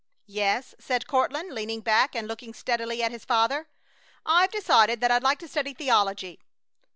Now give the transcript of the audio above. "Yes," said Courtland, leaning back and looking steadily at his father. "I've decided that I'd like to study theology."